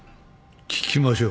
聞きましょう。